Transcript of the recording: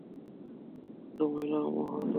ভদ্রমহিলা ও মহোদয়গণ।